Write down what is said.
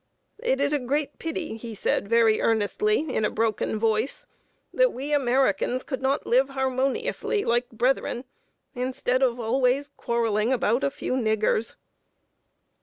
"It is a great pity," he said, very earnestly, in a broken voice, "that we Americans could not live harmoniously, like brethren, instead of always quarreling about a few niggers."